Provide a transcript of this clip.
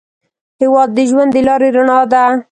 هېواد د ژوند د لارې رڼا ده.